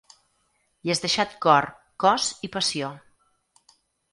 Hi has deixat cor, cos i passió.